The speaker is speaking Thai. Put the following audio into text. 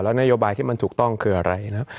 แล้วนโยบายที่มันถูกต้องคืออะไรนะ